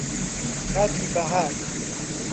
کاتی بەهار